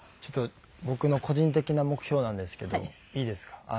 僕の個人的な目標なんですけどいいですか？